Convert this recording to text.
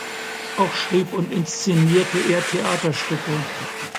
Auch schrieb und inszenierte er Theaterstücke.